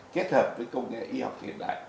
kết hợp với công nghệ y học hiện đại